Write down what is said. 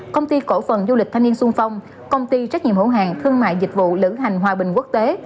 công ty cổ phần du lịch thanh niên sung phong công ty trách nhiệm hữu hàng thương mại dịch vụ lữ hành hòa bình quốc tế